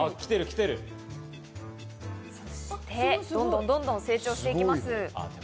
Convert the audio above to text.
そしてどんどん成長していきます。